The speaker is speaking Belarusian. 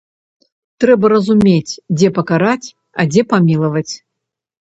Трэба разумець, дзе пакараць, а дзе памілаваць.